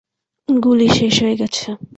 গুলি শেষ হয়ে গেছে।